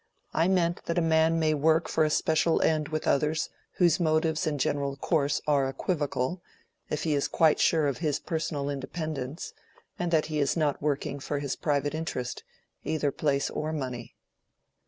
I meant that a man may work for a special end with others whose motives and general course are equivocal, if he is quite sure of his personal independence, and that he is not working for his private interest—either place or money."